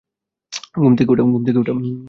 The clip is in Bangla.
ঘুম থেকে উঠা।